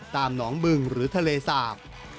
ตามหนองบึงหรือทะเลสาบ